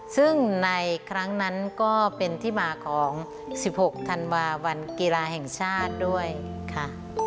ซึ่งในครั้งนั้นก็เป็นที่มาของ๑๖ธันวาวันกีฬาแห่งชาติด้วยค่ะ